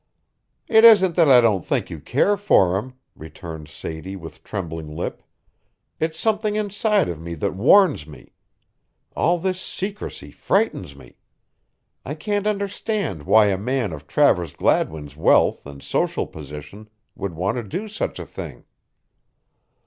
"It isn't that I don't think you care for him," returned Sadie with trembling lip. "It's something inside of me that warns me. All this secrecy frightens me. I can't understand why a man of Travers Gladwin's wealth and social position would want to do such a thing."